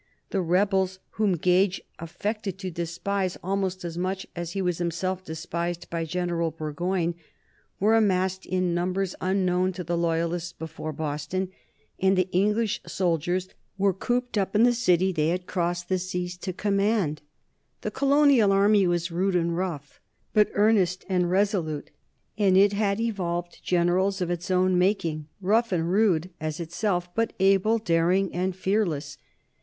The rebels, whom Gage affected to despise almost as much as he was himself despised by General Burgoyne, were massed in numbers unknown to the loyalists before Boston, and the English soldiers were cooped up in the city they had crossed the seas to command. The colonial army was rude and rough, but earnest and resolute, and it had evolved generals of its own making, rough and rude as itself, but able, daring, and fearless.